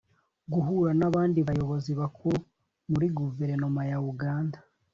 guhura n'abandi bayobozi bakuru muri guverinoma ya uganda